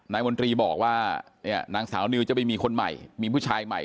มนตรีบอกว่าเนี่ยนางสาวนิวจะไปมีคนใหม่มีผู้ชายใหม่